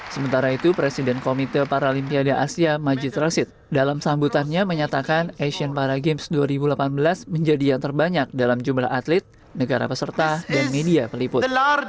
sementara itu presiden komite paralimpiade asia majid rashid dalam sambutannya menyatakan asian para games dua ribu delapan belas menjadi yang terbanyak dalam jumlah atlet negara peserta dan media peliput